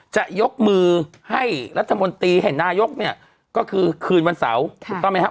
จะยกมือให้รัฐมนตรีให้นายกเนี่ยก็คือคืนวันเสาร์ถูกต้องไหมครับ